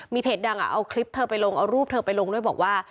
เพจดังเอาคลิปเธอไปลงเอารูปเธอไปลงด้วยบอกว่า